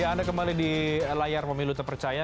ya anda kembali di layar pemilu terpercaya